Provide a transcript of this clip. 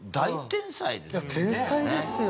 天才ですよね